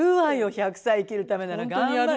１００歳生きるためなら頑張る。